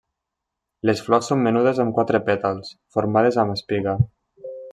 Les flors són menudes amb quatre pètals, formades en espiga.